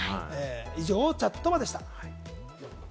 以上「チャットバ」でした。